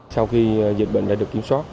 sau khi dịch bệnh đã được kiểm soát